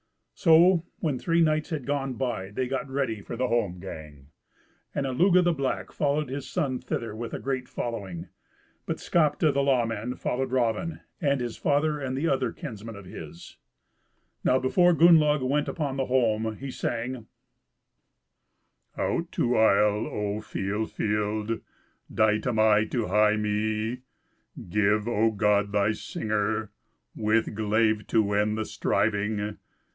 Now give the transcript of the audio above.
So when three nights had gone by they got ready for the holmgang, and Illugi the Black followed his son thither with a great following. But Skapti, the lawman, followed Raven, and his father and other kinsmen of his. Now before Gunnlaug went upon the holm he sang, "Out to isle ofeel field Dight am I to hie me: Give, O God, thy singer With glaive to end the striving.